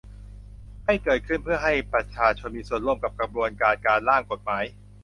ให้เกิดขึ้นเพื่อให้ประชาชนมีส่วนร่วมกับกระบวนการการร่างกฎหมาย